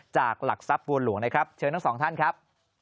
หลักทรัพย์บัวหลวงนะครับเชิญทั้งสองท่านครับ